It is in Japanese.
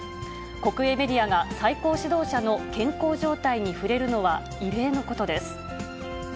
国営メディアが最高指導者の健康状態に触れるのは異例のことです。